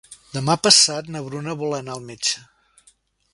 Demà passat na Bruna vol anar al metge.